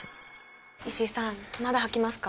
石井さんまだ吐きますか？